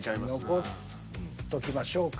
残っときましょうか。